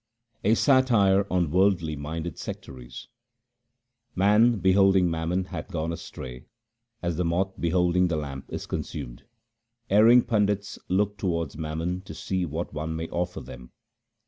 A satire on worldly minded sectaries :— Man beholding mammon hath gone astray, as the moth beholding the lamp is consumed. Erring pandits look towards mammon to see what one may offer them.